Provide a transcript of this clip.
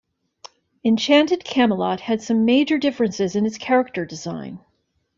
"Enchanted Camelot" had some major differences in its character design.